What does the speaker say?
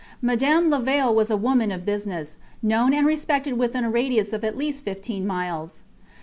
Madame Levaille was a woman of business, known and respected within a radius of at least fifteen miles.